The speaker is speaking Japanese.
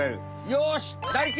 よし！